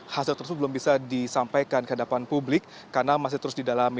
hasil tersebut belum bisa disampaikan ke hadapan publik karena masih terus didalami